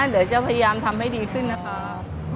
เดี๋ยวจะพยายามทำให้ดีขึ้นนะคะ